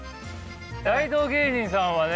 大道芸人さんはね